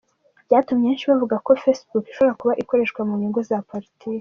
Byatumye benshi bavuga ko Facebook ishobora kuba ikoreshwa mu nyungu za politiki.